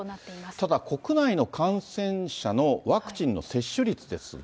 ただ、国内の感染者のワクチンの接種率ですが。